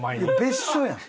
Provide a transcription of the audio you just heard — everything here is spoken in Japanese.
別所やん。